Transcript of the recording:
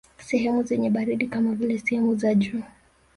Sehemu zenye baridi kama vile sehemu za juu